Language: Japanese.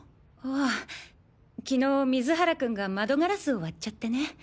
ああ昨日水原君が窓ガラスを割っちゃってね。